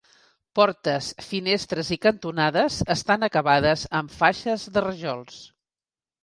Portes, finestres i cantonades estan acabades amb faixes de rajols.